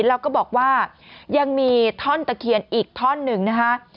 แล้วก็บอกว่ายังมีท่อนตะเคียนอีกท่อนหนึ่งนะคะ